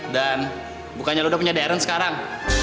dan bukannya lo udah punya darren sekarang